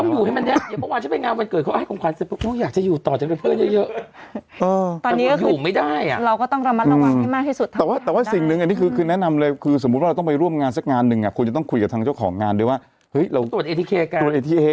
ต้องอยู่ให้มันเนี้ยเพราะว่าถ้าไปงานวันเกิดเขาให้ของขวานเสร็จ